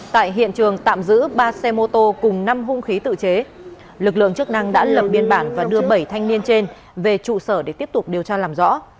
tại hiện trường tạm giữ ba xe mô tô cùng năm hung khí tự chế lực lượng chức năng đã lập biên bản và đưa bảy thanh niên trên về trụ sở để tiếp tục điều tra làm rõ